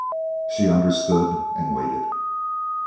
She understood and waited.